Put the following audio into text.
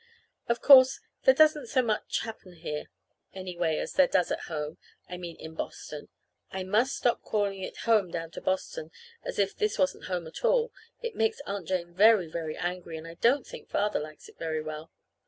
Of course, there doesn't so much happen here, anyway, as there does at home I mean in Boston. (I must stop calling it home down to Boston as if this wasn't home at all. It makes Aunt Jane very, very angry, and I don't think Father likes it very well.)